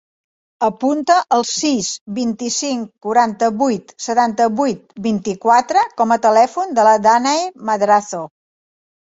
Apunta el sis, vint-i-cinc, quaranta-vuit, setanta-vuit, vint-i-quatre com a telèfon de la Dànae Madrazo.